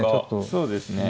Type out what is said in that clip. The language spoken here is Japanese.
そうですね。